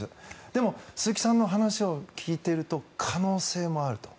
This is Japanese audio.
でも、鈴木さんの話を聞いてると可能性もあると。